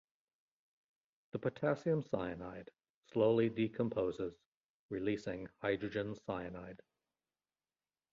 The potassium cyanide slowly decomposes, releasing hydrogen cyanide.